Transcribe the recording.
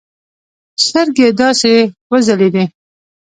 سترگې يې داسې وځلېدې.